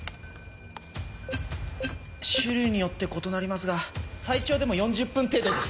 種類によって異なりますが最長でも４０分程度です。